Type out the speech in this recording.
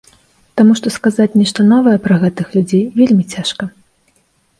Таму што сказаць нешта новае пра гэтых людзей вельмі цяжка.